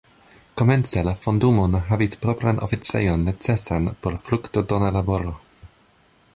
Komence la fondumo ne havis propran oficejon necesan por fruktodona laboro.